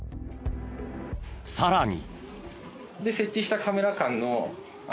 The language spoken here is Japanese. さらに。